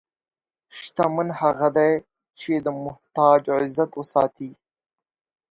شتمن هغه دی چې د محتاج عزت ساتي.